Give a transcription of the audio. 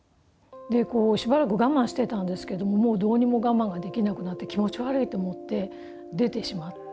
でこうしばらく我慢してたんですけどもうどうにも我慢ができなくなって気持ち悪いと思って出てしまったんです。